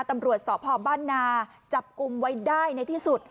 ตำรวจสพบ้านนาจับกลุ่มไว้ได้ในที่สุด